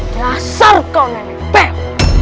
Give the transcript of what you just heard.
dasar kau nenek